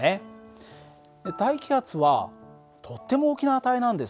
大気圧はとっても大きな値なんです。